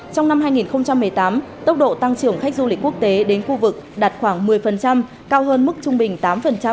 trong năm hai nghìn một mươi tám tốc độ tăng trưởng khách du lịch quốc tế đến khu vực đạt khoảng một mươi cao hơn mức trung bình tám